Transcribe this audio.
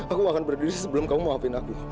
aku gak akan berdiri sebelum kamu maafin aku